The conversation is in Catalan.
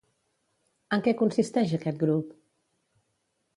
En què consisteix aquest grup?